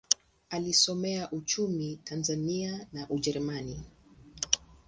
Alisomea uchumi Tanzania na Ujerumani.